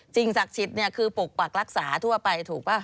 จริงศักดิ์ชิตเนี่ยคือปกปรักรักษาทั่วไปถูกป่ะ